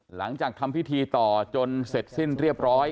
หลังจากทำพิธีต่อจนเสร็จสิ้นเรียบร้อย